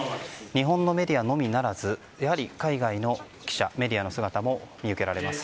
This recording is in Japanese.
日本のメディアのみならず海外の記者メディアの姿も見受けられます。